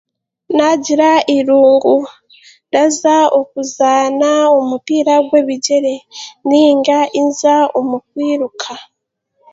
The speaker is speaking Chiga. Naagira irungu ndaza okuzaana omupiira ogw'ebigyere nainga nza omu kwiruka.